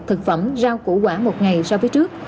thực phẩm rau củ quả một ngày so với trước